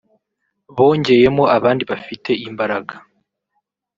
bongeyemo abandi bafite imbaraga